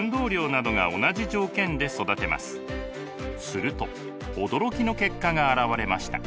すると驚きの結果が現れました。